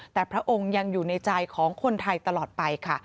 แต่พระองค์ยังอยู่ในใจของคนไทยตลอดไปค่ะ